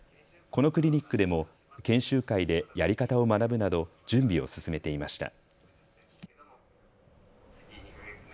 このクリニックでも研修会でやり方を学ぶなど準備を進めていました。